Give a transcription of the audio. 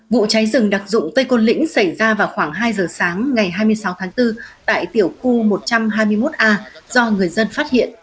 vụ cháy rừng đặc dụng tây côn lĩnh xảy ra vào khoảng hai giờ sáng ngày hai mươi sáu tháng bốn tại tiểu khu một trăm hai mươi một a do người dân phát hiện